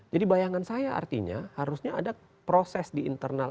jadi bayangan saya artinya harusnya ada proses di internal mk